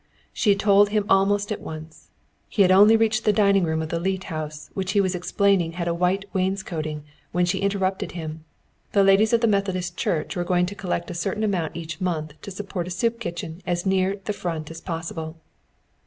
She told him almost at once. He had only reached the dining room of the Leete house, which he was explaining had a white wainscoting when she interrupted him. The ladies of the Methodist Church were going to collect a certain amount each month to support a soup kitchen as near the Front as possible.